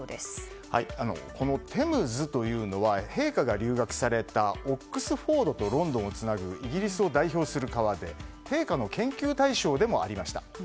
このテムズというのは陛下が留学されたオックスフォードとロンドンをつなぐイギリスを代表する川で陛下の研究対象でもありました。